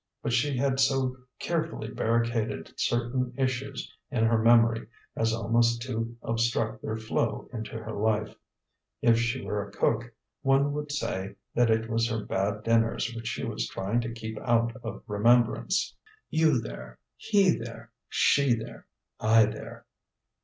But she had so carefully barricaded certain issues in her memory as almost to obstruct their flow into her life; if she were a cook, one would say that it was her bad dinners which she was trying to keep out of remembrance. "You there, he there, she there, I there."